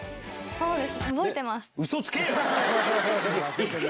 そうです。